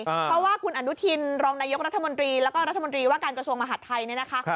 เพราะว่าคุณอนุทินรองนายกรัฐมนตรีแล้วก็รัฐมนตรีว่าการกระทรวงมหาดไทยเนี่ยนะคะ